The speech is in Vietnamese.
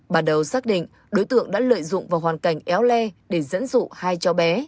bắt đầu xác định đối tượng đã lợi dụng vào hoàn cảnh éo le để dẫn dụ hai cháu bé